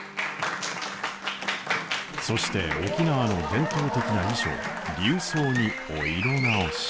そして沖縄の伝統的な衣装琉装にお色直し。